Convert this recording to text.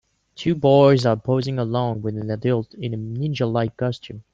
Two boys are posing along with an adult in a ninjalike costume